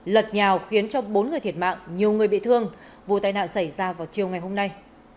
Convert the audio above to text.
lật nhào khiến cho bốn người thiệt mạng nhiều người bị thương vụ tai nạn xảy ra vào chiều ngày hôm nay